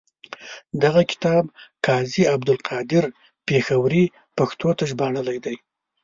دغه کتاب قاضي عبدالقادر پیښوري پښتو ته ژباړلی دی.